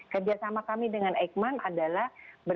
kerjasama kami dengan eijkman adalah